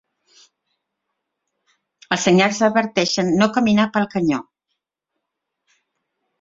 Els senyals adverteixen no caminar pel canyó.